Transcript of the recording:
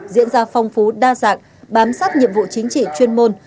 diễn ra phong phú đa dạng bám sát nhiệm vụ chính trị chuyên môn